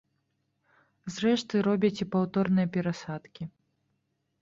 Зрэшты, робяць і паўторныя перасадкі.